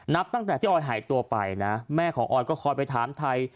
นับตั้งแต่ที่ออยหายตัวไปนะแม่ของออยก็คอยไปถามไทย